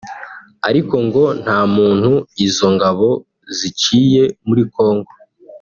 ariko ngo nta muntu izo ngabo ziciye muri Kongo